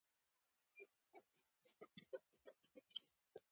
دا هغه کسان دي چې په لوی لاس يې ځانونه بدمرغه کړي دي.